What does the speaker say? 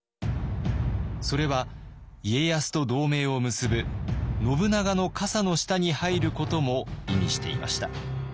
それは家康と同盟を結ぶ信長の傘の下に入ることも意味していました。